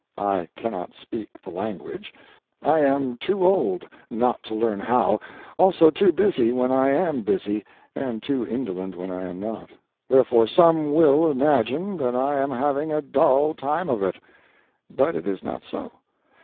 I cannot speak the language; I am too old now to learn how, also too busy when I am busy, and too indolent when I am not; wherefore some will imagine that I am having a dull time of it. But it is not so.